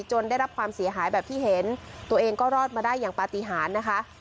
ได้รับความเสียหายแบบที่เห็นตัวเองก็รอดมาได้อย่างปฏิหารนะคะ